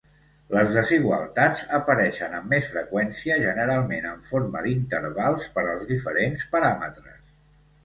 Les desigualtats apareixen amb més freqüència, generalment en forma d'intervals per als diferents paràmetres.